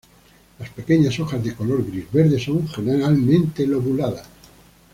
Las pequeñas hojas de color gris-verde son generalmente lobuladas.